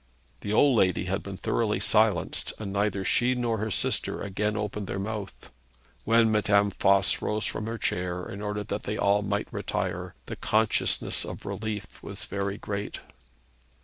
The old lady had been thoroughly silenced, and neither she nor her sister again opened their mouth. When Madame Voss rose from her chair in order that they might all retire, the consciousness of relief was very great.